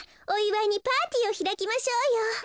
おいわいにパーティーをひらきましょうよ。